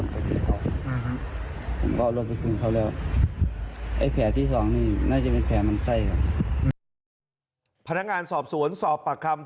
ผมจะเอารถไปคืนเขา